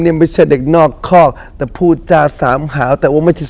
เฮ่ให้ล่าสุดไปรายการเป็นตัวแทนที่ไปรายการไซเฟอร์สี่ชาติเอเทีย